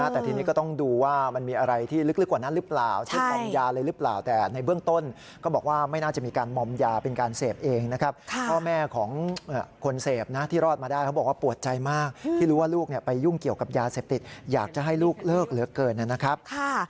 แต่ทีนี้ก็ต้องดูว่ามันมีอะไรที่ลึกกว่านั้นหรือเปล่า